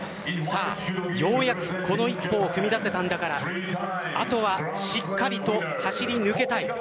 ようやくこの一歩を踏み出せたんだからあとはしっかりと走り抜けたい。